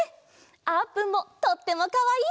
あーぷんもとってもかわいい！